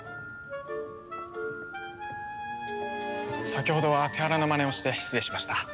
先ほどは手荒なまねをして失礼しました。